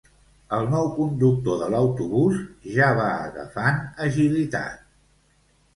El nou conductor de l'autobús ja va agafant agilitat